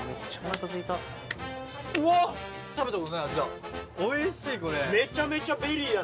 うわっ食べたことない味だ